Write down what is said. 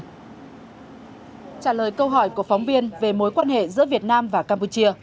trả lời câu hỏi của phóng viên về mối quan hệ giữa việt nam và campuchia